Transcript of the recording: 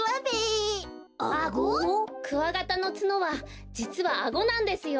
クワガタのツノはじつはアゴなんですよ。